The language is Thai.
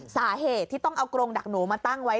สาเหตุที่ต้องเอากรงดักหนูมาตั้งไว้